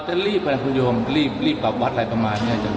จะรีบนะครับคุณโยมรีบรีบกับวัดอะไรประมาณเนี้ย